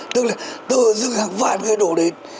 tức là tự dưng hàng vạn người đổ đến